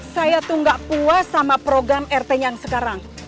saya tuh nggak puas sama program rt yang sekarang